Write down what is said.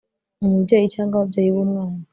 Umubyeyi cyangwa ababyeyi b umwana